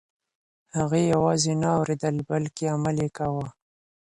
هغې یوازې نه اورېدل بلکه عمل یې کاوه.